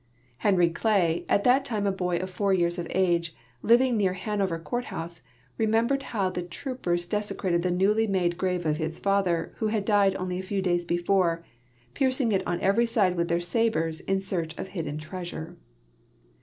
Henry Clay, at that time a boy four years of age, living near Hanover courtdiouse, remembered how the troo])ers desecrated the newly made grave of his father, who had died only a few days l>efore, piercing it on eveiy side with their sabers in search of hidden treasure.